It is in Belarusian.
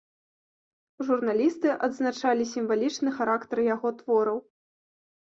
Журналісты адзначалі сімвалічны характар яго твораў.